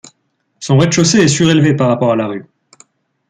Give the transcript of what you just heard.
Son rez-de-chaussée est surélevé par rapport à la rue.